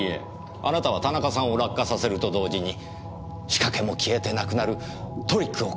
あなたは田中さんを落下させると同時に仕掛けも消えてなくなるトリックを考えたんですよ。